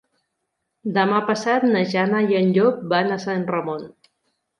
Demà passat na Jana i en Llop van a Sant Ramon.